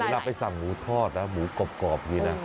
นะบไปสั่งหมูทอดนะหมูกรอบดีนะ